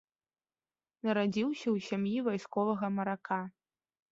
Нарадзіўся ў сям'і вайсковага марака.